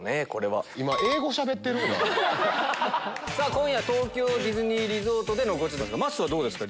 今夜東京ディズニーリゾートでのゴチですまっすーどうですか？